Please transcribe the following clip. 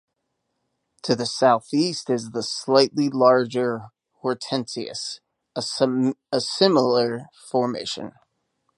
To the southeast is the slightly larger Hortensius, a similar formation.